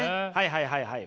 はいはいはい。